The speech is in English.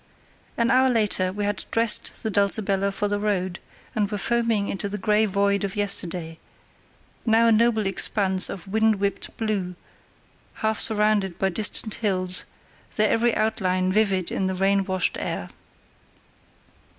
An hour later we had dressed the Dulcibella for the road, and were foaming into the grey void of yesterday, now a noble expanse of wind whipped blue, half surrounded by distant hills, their every outline vivid in the rain washed air.